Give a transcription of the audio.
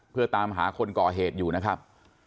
เพื่อตามหาคนก่อเหตุอยู่นะครับ